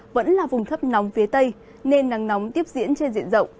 vẫn là vùng thấp nóng phía tây nên nắng nóng tiếp diễn trên diện rộng